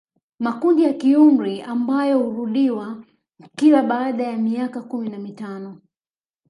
Makundi ya kiumri ambayo urudiwa kila baada ya miaka kumi na mitano